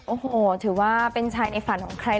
โอ้โหถือว่าเป็นชายในฝันของใคร